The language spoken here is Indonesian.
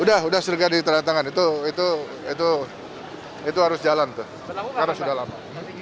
udah udah serga di terang tangan itu harus jalan tuh karena sudah lama